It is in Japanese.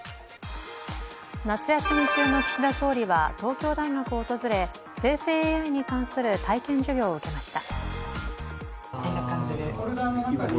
夏休み中の岸田総理は東京大学を訪れ、生成ＡＩに関する体験授業を受けました。